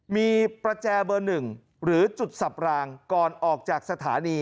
มีประแจเบอร์๑หรือจุดสับรางก่อนออกจากสถานี